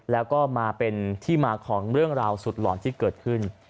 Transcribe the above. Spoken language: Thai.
แล้วก็มาเป็นที่มาของเรื่องราวสุดหลอนที่เกิดขึ้น